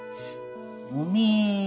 おめえ